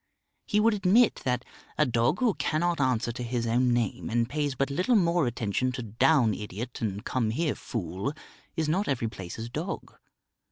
He would admit that a dog who cannot answer to his own name and pays but little more attention to "Down, idiot," and "Come here, fool," is not every place's dog.